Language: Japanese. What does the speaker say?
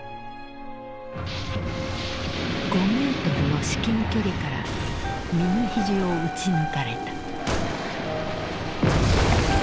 ５ｍの至近距離から右肘を撃ち抜かれた。